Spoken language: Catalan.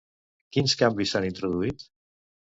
Quins canvis s'han introduït?